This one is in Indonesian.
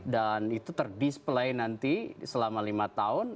dan itu ter display nanti selama lima tahun